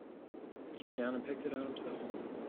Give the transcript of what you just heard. Came down and picked it out himself.